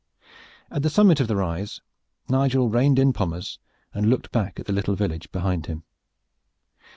At the summit of the rise Nigel reined in Pommers and looked back at the little village behind him.